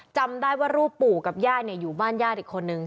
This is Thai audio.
จำได้ว่ารูปปู่กับย่าอยู่บ้านญาติอีกคนนึง